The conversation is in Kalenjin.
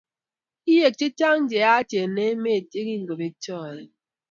Kiek che chang cheyaacheng emee ye kongobek choe.